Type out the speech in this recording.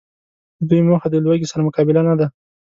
د دوی موخه د لوږي سره مقابله نده